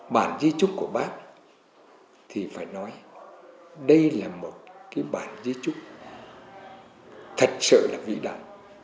bản di trúc của bác thì phải nói đây là một cái bản di trúc thật sự là vĩ đại